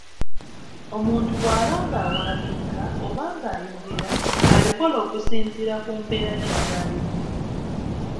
Omuntu bw'aba ng’awandiika oba ng’ayogera abikola okusinziira ku mbeera gy’aba alimu.